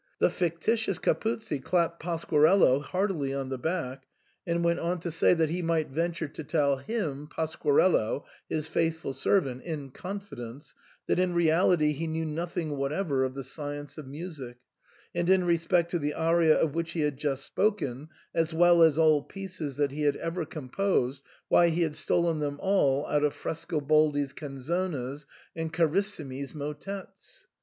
The fictitious Capuzzi clapped Pasquarello heartily on the back, and went on to say that he might venture to tell him (Pasquarello), his faithful servant, in confidence, that in reality he knew nothing whatever of the science of music, and in respect to the aria of which he had just spoken, as well as all pieces that he had ever composed, why, he had stolen them out of Frescobaldi's canzonas and Carissimi's motets.